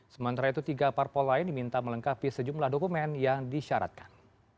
sementara itu tiga parpol lain diminta melengkapi sejumlah dokumen yang disyaratkan